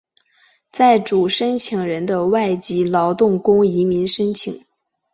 在主申请人的外籍劳工移民申请。